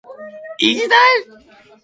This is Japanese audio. いぎだい！！！！